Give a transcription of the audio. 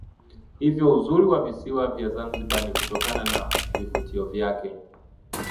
Hivyo uzuri wa visiwa vya Zanzibar ni kutokana na vivutio vyake